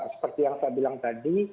seperti yang saya bilang tadi